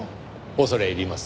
恐れ入ります。